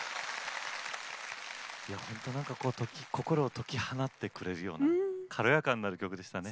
いやほんとなんかこう心を解き放ってくれるような軽やかになる曲でしたね。